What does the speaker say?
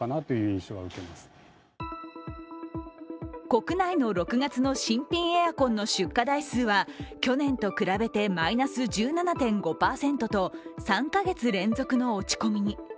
国内の６月の新品エアコンの出荷台数は去年と比べてマイナス１７．５％と３カ月連続の落ち込みに。